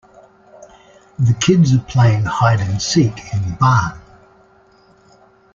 The kids are playing hide and seek in the barn.